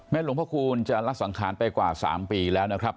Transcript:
แม่ลวงพ่อคูณจะรักษังคารไปกว่าสามปีแล้วนะครับ